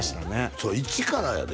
そう一からやで？